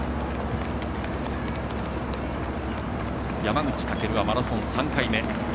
山口武はマラソン３回目。